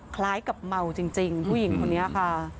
คล้ายกับเมาจริงผู้หญิงคนนี้ค่ะ